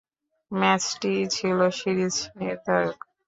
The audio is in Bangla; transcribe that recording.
ম্যাচটি ছিল সিরিজ নির্ণায়ক।